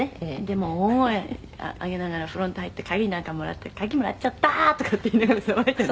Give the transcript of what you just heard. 「でもう大声上げながらフロント入って鍵なんかもらって“鍵もらっちゃったー！”とかって言いながら騒いでて」